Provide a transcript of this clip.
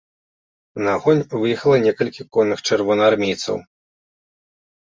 На агонь выехала некалькі конных чырвонаармейцаў.